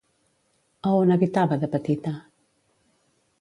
A on habitava de petita?